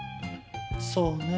そうね。